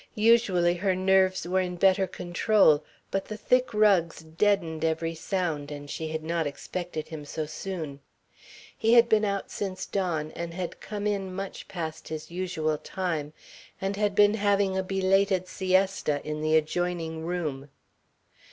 Usually her nerves were in better control, but the thick rugs deadened every sound, and she had not expected him so soon. He had been out since dawn and had come in much past his usual time, and had been having a belated siesta in the adjoining room.